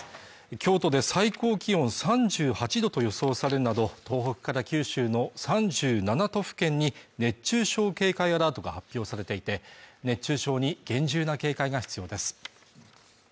京都で最高気温３８度と予想されるなど東北から九州の３７都府県に熱中症警戒アラートが発表されていて熱中症に厳重な警戒が必要です